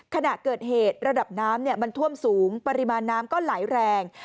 ขณะเกิดเหตุระดับน้ำมันท่วมสูงปริมาณน้ำก็ไหลแรง